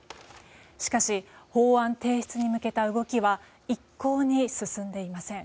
しかし、法案提出に向けた動きは一向に進んでいません。